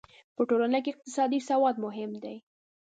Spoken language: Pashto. په ټولنه کې اقتصادي سواد مهم دی.